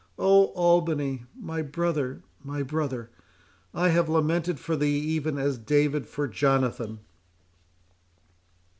—Oh! Albany, my brother, my brother, I have lamented for thee even as David for Jonathan!"